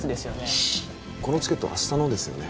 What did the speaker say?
シーッこのチケット明日のですよね